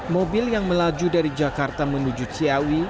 mobil yang melaju dari jakarta menuju ciawi